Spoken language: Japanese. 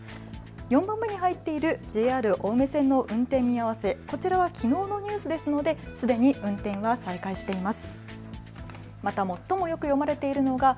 ４番目に入っているＪＲ青梅線の運転見合わせ、こちらはきのうのニュースですのですでに運転を再開しています。